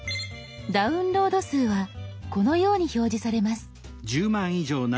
「ダウンロード数」はこのように表示されます。